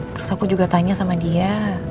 terus aku juga tanya sama dia